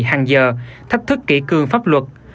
hàng giờ thách thức kỹ cương pháp luật